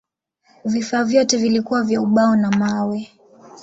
Vifaa vyote vilikuwa vya ubao na mawe.